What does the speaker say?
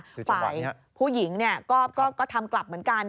ฝ่ายผู้หญิงก็ทำกลับเหมือนกัน